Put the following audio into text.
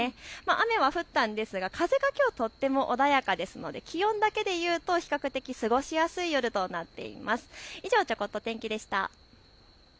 雨は降ったんですが風がとてもきょうは穏やかですので気温だけでいうと比較的過ごしやすい夜となっています。